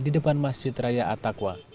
di depan masjid raya atakwa